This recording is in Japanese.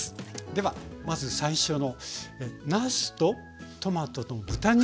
ではまず最初のなすとトマトと豚肉の重ね煮。